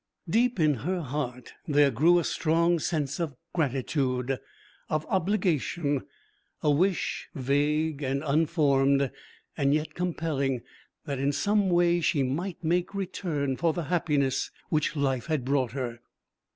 Deep in her heart there grew a strong sense of gratitude, of obligation, a wish vague and unformed, yet compelling, that in some way she might make return for the happiness which life had brought her.